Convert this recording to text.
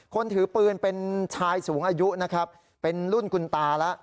คนถือปืนเป็นชายสูงอายุนะครับเป็นรุ่นคุณตาแล้ว